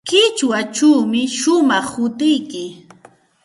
Qichwachawmi shumaq hutiyki.